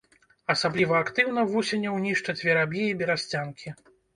Асабліва актыўна вусеняў нішчаць вераб'і і берасцянкі.